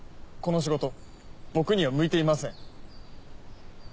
この仕事僕には向いていません。